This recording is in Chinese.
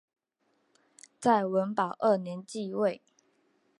在文保二年即位。